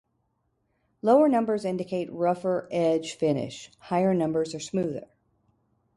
Lower numbers indicate rougher edge finish; higher numbers are smoother.